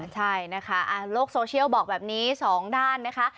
ใช่นะคะโลกโซเชียลบอกแบบนี้๒ด้านนะคะ